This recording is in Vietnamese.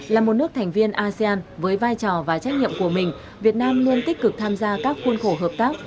là một nước thành viên asean với vai trò và trách nhiệm của mình việt nam luôn tích cực tham gia các khuôn khổ hợp tác